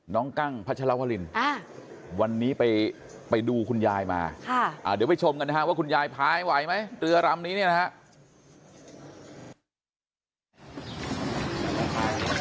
กั้งพัชรวรินวันนี้ไปดูคุณยายมาเดี๋ยวไปชมกันนะฮะว่าคุณยายพายไหวไหมเรือรำนี้เนี่ยนะครับ